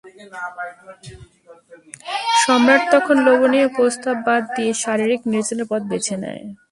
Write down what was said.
সম্রাট তখন লোভনীয় প্রস্তাব বাদ দিয়ে শারীরিক নির্যাতনের পথ বেছে নেয়।